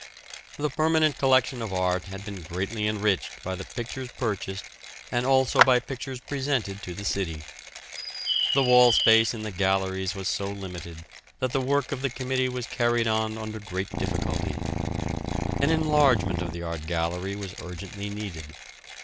"The Permanent Collection of Art had been greatly enriched by the pictures purchased and also by pictures presented to the city. The wall space in the galleries was so limited that the work of the committee was carried on under great difficulty. An enlargement of the Art Gallery was urgently needed.